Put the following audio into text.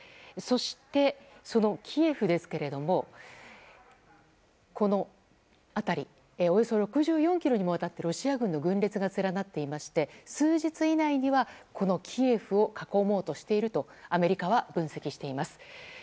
そして、そのキエフですけれどもこの辺りおよそ６４ｋｍにもわたってロシア軍の軍列が連なっていまして数日以内にはこのキエフを囲もうとしているとアメリカは分析しています。